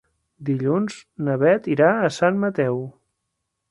Dilluns na Bet irà a Sant Mateu.